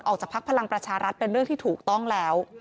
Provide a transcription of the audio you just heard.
ภักดิ์พลังประชารัฐเป็นเรื่องที่ถูกต้องแล้ว